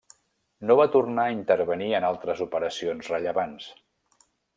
No va tornar a intervenir en altres operacions rellevants.